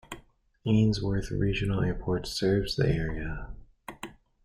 Ainsworth Regional Airport serves the area.